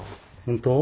本当？